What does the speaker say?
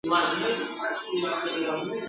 ځان د بل لپاره سوځول زده کړو ..